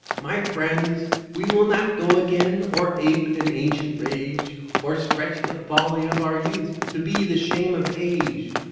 "My friends, we will not go again or ape an ancient rage, Or stretch the folly of our youth to be the shame of age.